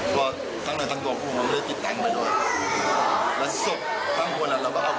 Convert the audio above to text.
ซึ่งฉะนั้นทั้งตัวผมไม่ได้กินแป๊งไปด้วย